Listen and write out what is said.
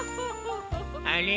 あれ？